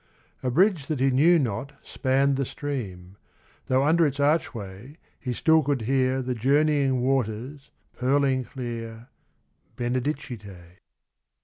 A bridge that he knew not spanned the stream ; Though under its archway he still could hear The journeying water purling clear, Benedicite.